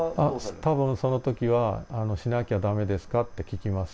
たぶん、そのときはしなきゃだめですか？って聞きます。